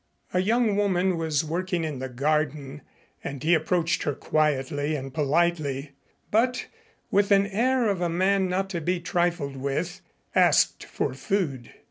A young woman was working in the garden and he approached her quietly and politely, but with an air of a man not to be trifled with, asked for food.